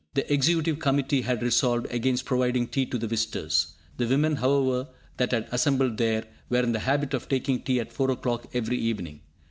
The executive committee had resolved against providing tea to the visitors. The women, however, that had assembled there, were in the habit of taking tea at 4 o'clock every evening.